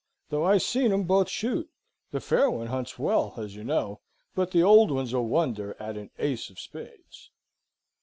Though I seen 'em both shoot: the fair one hunts well, as you know, but the old one's a wonder at an ace of spades."